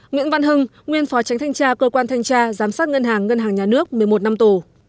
nguyễn văn hưng nguyên phó tránh thanh tra cơ quan thanh tra giám sát ngân hàng ngân hàng nhà nước một mươi một năm tù